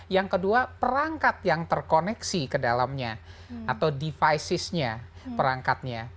yang kedua perangkat yang terkoneksi ke dalamnya atau devicesnya perangkatnya